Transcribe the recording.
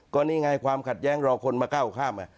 ก็นี่ไงความขัดแย้งรอคนมาก้าวข้าม